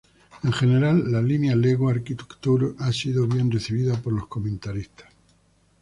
En general, la línea Lego Architecture ha sido bien recibida por los comentaristas.